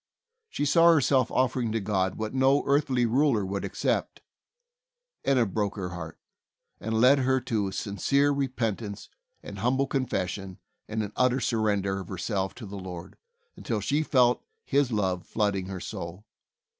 She saw herself offering to God what no earthly ruler would accept, and it broke her l70 THE soul winner's SECRET. heart, and led her to a sincere repentance and humble confession and an utter surren der of herself to the Lord, until she felt His love flooding her soul.